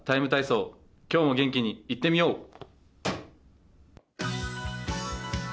ＴＩＭＥ，体操」、今日も元気にいってみよう！